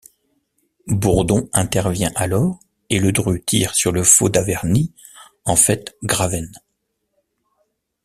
Bourdon intervient alors et Ledru tire sur le faux Daverny, en fait Graven.